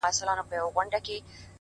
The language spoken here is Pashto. د سړک څراغونه د شپې لارې نرموي،